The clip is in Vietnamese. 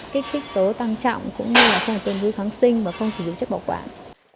kích thích tố tăng trọng cũng như là không tương đối kháng sinh và không sử dụng chất bảo quản